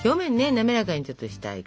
滑らかにちょっとしたいかな。